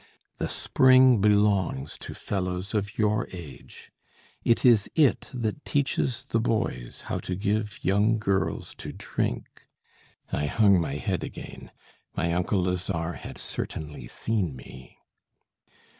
The spring belongs to fellows of your age. It is it that teaches the boys how to give young girls to drink " I hung my head again. My uncle Lazare had certainly seen me.